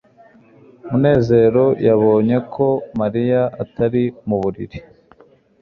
munezero yabonye ko mariya atari mu buriri